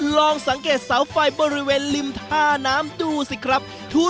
ลองสังเกตเสาไฟบริเวณริมท่าน้ำดูสิครับ